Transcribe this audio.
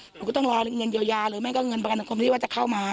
หนูก็ต้องรอเงินเยียวยาหรือไม่ก็เงินประกันสังคมที่ว่าจะเข้ามา